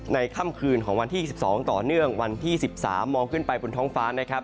ค่ำคืนของวันที่๒๒ต่อเนื่องวันที่๑๓มองขึ้นไปบนท้องฟ้านะครับ